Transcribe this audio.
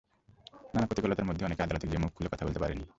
নানা প্রতিকূলতার মধ্যে অনেকে আদালতে গিয়ে মুখ খুলে কথা বলতে পারেনি।